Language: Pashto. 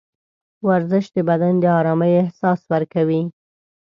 ورزش د بدن د ارامۍ احساس ورکوي.